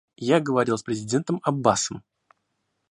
Я говорил с президентом Аббасом.